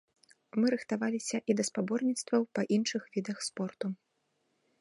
Мы рыхтаваліся і да спаборніцтваў па іншых відах спорту.